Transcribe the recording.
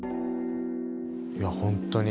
いや本当にねえ